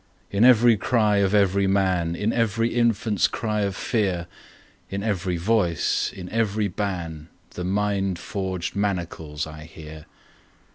In every cry of every man, In every infant's cry of fear, In every voice, in every ban, The mind forged manacles I hear.